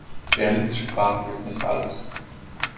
Realistische Grafik ist nicht alles.